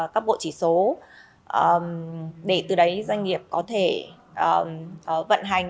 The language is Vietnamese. các bộ chỉ số để từ đấy doanh nghiệp có thể vận hành